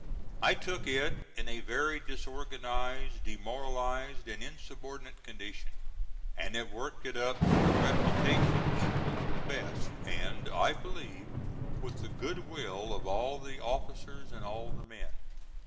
I took it in a very disorganized, demoralized and insubordinate condition, and have worked it up to a reputation equal to the best, and, I believe, with the good will of all the officers and all the men.